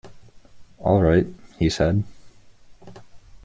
"All right," he said.